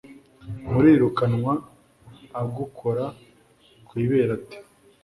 murirukanwa agukora ku ibere ate